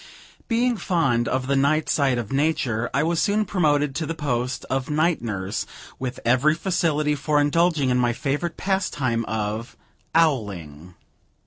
Being fond of the night side of nature, I was soon promoted to the post of night nurse, with every facility for indulging in my favorite pastime of "owling."